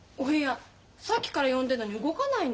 さっきから呼んでんのに動かないの。